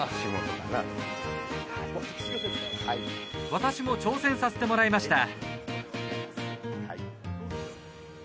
私も挑戦させてもらいました。